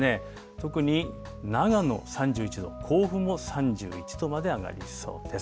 特に、長野３１度、甲府も３１度まで上がりそうです。